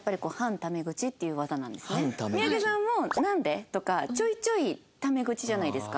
三宅さんも「なんで？」とかちょいちょいタメ口じゃないですか。